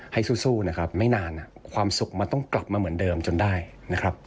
สู้นะครับไม่นานความสุขมันต้องกลับมาเหมือนเดิมจนได้นะครับ